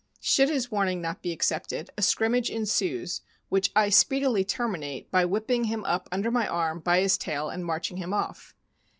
Should his warning not be accepted, a scrimmage ensues, which I speedily terminate by whipping him up under my arm by his tail and marching him off.